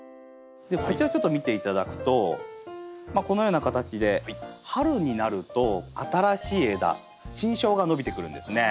こちらちょっと見て頂くとこのような形で春になると新しい枝新梢が伸びてくるんですね。